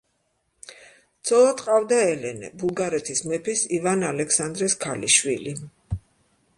ცოლად ჰყავდა ელენე, ბულგარეთის მეფის ივან ალექსანდრეს ქალიშვილი.